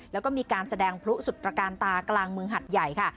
แล้วก็มีการแสดงพลุสุดตระการตากลางเมืองหัดใหญ่ค่ะ